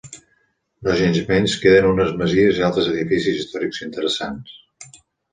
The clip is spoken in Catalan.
Nogensmenys queden unes masies i altres edificis històrics interessants.